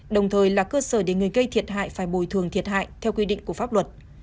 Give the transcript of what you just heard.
đồng thời là cơ sở để người gây thiệt hại phải bồi thường thiệt hại theo quy định của pháp luật